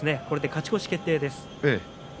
これで勝ち越し決定です。